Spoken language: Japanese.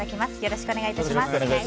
よろしくお願いします。